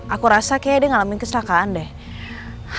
aku rasa kayaknya dia ngalamin kecelakaan deh